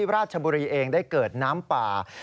ราชบุรีเองได้เกิดน้ำป่า